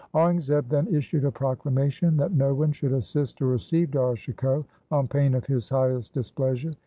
Aurangzeb then issued a proclamation that no one should assist or receive Dara Shikoh on pain of his highest displeasure.